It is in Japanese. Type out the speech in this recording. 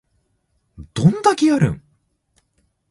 どんだけやるん